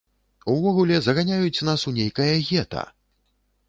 Увогуле, заганяюць нас у нейкае гета!